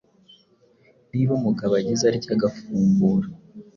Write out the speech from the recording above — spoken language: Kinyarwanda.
Niba umugabo agize atya agafungura